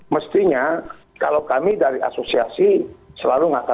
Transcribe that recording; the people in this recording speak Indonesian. mestinya kalau kami dari asosiasi selalu mengatakan